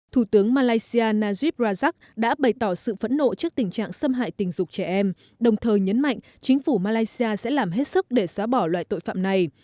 thủ tướng malaysia najib rajak đã bày tỏ sự phẫn nộ trước tình trạng xâm hại tình dục trẻ em đồng thời nhấn mạnh chính phủ malaysia sẽ làm hết sức để xóa bỏ loại tội phạm này